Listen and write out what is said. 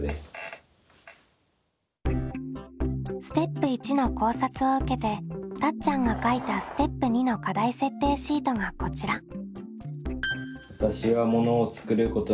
ステップ①の考察を受けてたっちゃんが書いたステップ②の課題設定シートがこちら。